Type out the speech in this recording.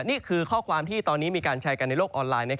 นี่คือข้อความที่ตอนนี้มีการแชร์กันในโลกออนไลน์